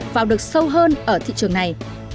vào được sâu hơn ở thị trường này